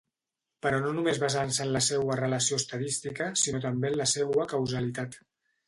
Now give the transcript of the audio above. Però no només basant-se en la seua relació estadística sinó també en la seua causalitat.